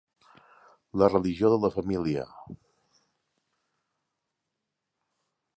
La religió de la família.